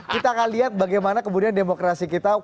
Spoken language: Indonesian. kita akan lihat bagaimana kemudian demokrasi kita